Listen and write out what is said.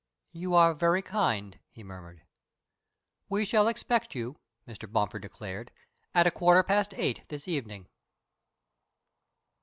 "You are very kind," he murmured. "We shall expect you," Mr. Bomford declared, "at a quarter past eight this evening."